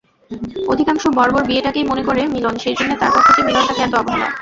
অধিকাংশ বর্বর বিয়েটাকেই মনে করে মিলন, সেইজন্যে তার পর থেকে মিলনটাকে এত অবহেলা।